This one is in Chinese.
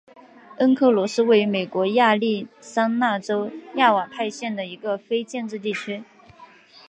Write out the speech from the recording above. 恩特罗是位于美国亚利桑那州亚瓦派县的一个非建制地区。